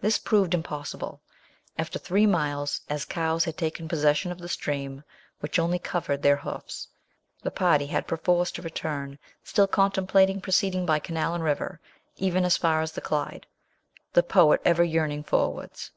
This proved impossible. After three miles, as cows had taken possession of the stream, which only covered their hoofs, the party had perforce to return, still con templating proceeding by canal and river, even as far as the Clyde, the poet ever yearning forwards.